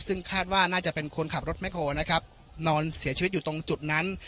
ซึ่งคาดว่าน่าจะเป็นคนขับรถแคลนะครับนอนเสียชีวิตอยู่ตรงจุดนั้น